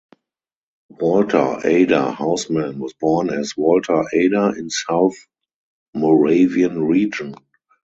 Walter Ader Hausman was born as Walter Ader in South Moravian Region.